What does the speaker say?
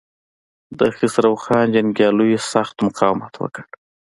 د خسرو خان جنګياليو سخت مقاومت وکړ.